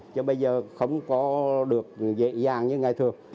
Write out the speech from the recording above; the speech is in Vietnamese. chứ bây giờ không có được dễ dàng như ngày thường